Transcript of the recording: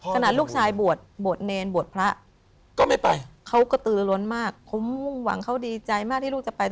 กูจะฆ่าพวกมันให้หมดต้องออกไป